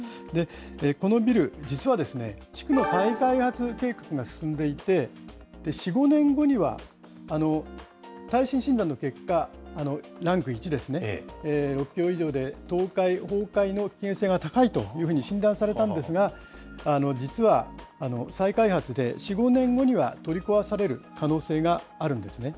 このビル、実は地区の再開発計画が進んでいて、４、５年後には、耐震診断の結果、ランク１ですね、６強以上で倒壊・崩壊の危険性が高いというふうに診断されたんですが、実は再開発で４、５年後には取り壊される可能性があるんですね。